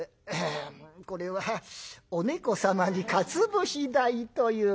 これはお猫様にかつ節代という」。